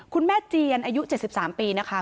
คุณแม่เจียนอายุ๗๓ปีนะคะ